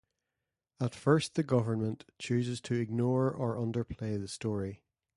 At first the government chooses to ignore or underplay the story.